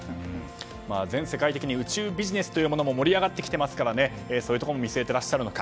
全世界的に宇宙ビジネスも盛り上がってきていますからそういうところも見据えていらっしゃるのか。